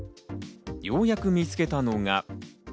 ようやく見つけたのが。